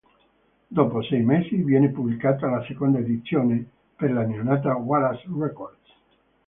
Dopo sei mesi viene pubblicata la seconda edizione per la neonata Wallace Records.